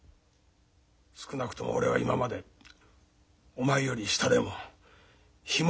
少なくとも俺は今までお前より下でもヒモじゃなかった。